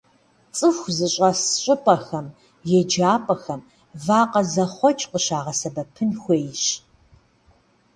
ЦӀыху зыщӀэс щӀыпӀэхэм, еджапӀэхэм вакъэ зэхъуэкӀ къыщыгъэсэбэпын хуейщ.